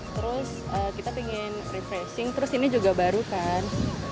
terus kita pengen refreshing terus ini juga baru kan